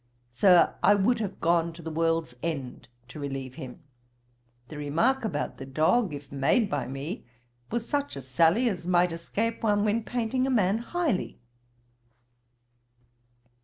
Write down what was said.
Sir, I would have gone to the world's end to relieve him. The remark about the dog, if made by me, was such a sally as might escape one when painting a man highly.'